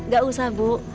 gak usah bu